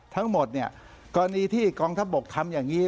ทั้งหมดเนี่ยกรณีที่กองทัพบกทำอย่างนี้